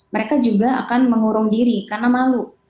mereka juga akan mengurung diri karena malu